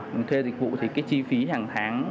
mình thuê dịch vụ thì cái chi phí hàng tháng